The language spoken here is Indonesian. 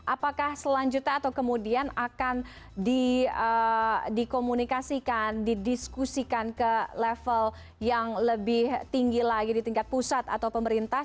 apakah selanjutnya atau kemudian akan dikomunikasikan didiskusikan ke level yang lebih tinggi lagi di tingkat pusat atau pemerintah